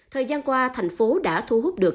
thời gian qua thành phố đã thu hút được